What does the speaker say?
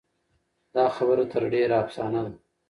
دا خبره تر ډېره افسانه ده.